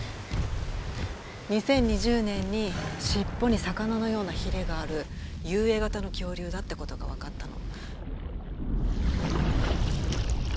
２０２０年に尻尾に魚のようなヒレがある遊泳型の恐竜だってことが分かったの。